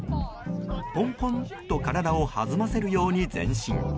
ぽんぽんと体を弾ませるように前進。